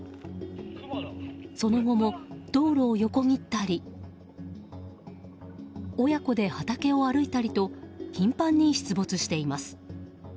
その後も、道路を横切ったり親子で畑を歩いたりと頻繁に出没しています。